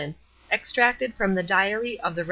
EXTRACTED FROM THE DIARY OF THE REV.